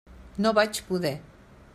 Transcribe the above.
No vaig poder.